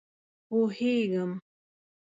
_پوهېږم.